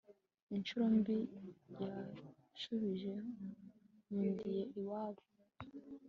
inshyuro mbi yashubije nkundiye iwabo